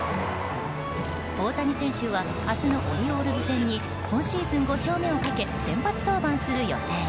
大谷選手は明日のオリオールズ戦に今シーズン５勝目をかけ先発登板する予定。